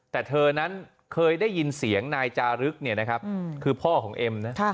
แต่เธอนั้นเคยได้ยินเสียงนายจารึกเนี่ยนะครับคือพ่อของเอ็มนะ